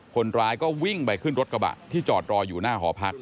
คนร้ายก็วิ่งไปขึ้นรถกระบะที่จอดรออยู่หน้าหอพัก